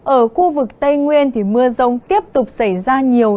ở khu vực tây nguyên thì mưa rông tiếp tục xảy ra nhiều